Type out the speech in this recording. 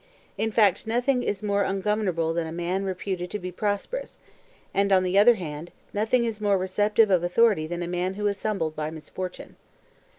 In fact, nothing is more ungovernable than a man reputed to be pros perous; and, on the other hand, nothing is more receptive of authority than a man who is humbled by misfortune.